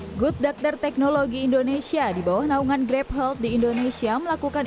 hai good doctor teknologi indonesia di bawah naungan grapehold di indonesia melakukan